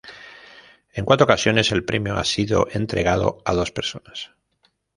En cuatro ocasiones el premio ha sido entregado a dos personas.